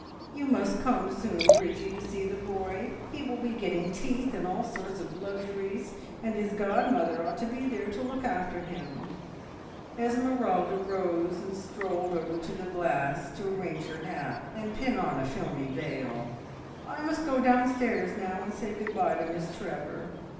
You must come soon, Bridgie, to see the boy. He will be getting teeth and all sorts of luxuries, and his godmother ought to be there to look after him." Esmeralda rose and strolled over to the glass to arrange her hat and pin on a filmy veil. "I must go downstairs now, and say good bye to Miss Trevor.